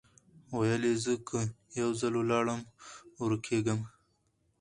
ویل زه که یو ځل ولاړمه ورکېږم